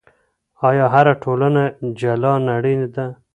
آیا هره ټولنه جلا نړۍ ده؟